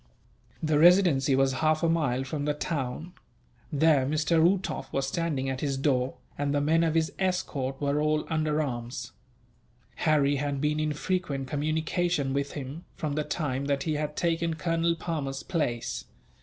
The Residency was half a mile from the town. There Mr. Uhtoff was standing at his door, and the men of his escort were all under arms. Harry had been in frequent communication with him, from the time that he had taken Colonel Palmer's place.